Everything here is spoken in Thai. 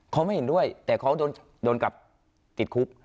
เขาไม่เห็นด้วยแต่เขาโดนกลับติดคุก